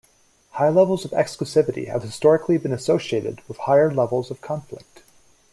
High levels of exclusivity have historically been associated with higher levels of conflict.